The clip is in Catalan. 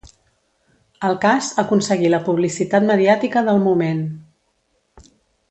El cas aconseguí la publicitat mediàtica del moment.